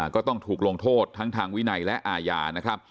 ก็ต้องถูกลงโทษทั้งทางวินัยและอาญานะครับ